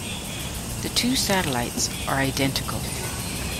The two satellites are identical.